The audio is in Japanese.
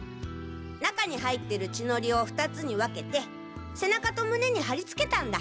中に入ってる血ノリを２つに分けて背中と胸に貼りつけたんだ！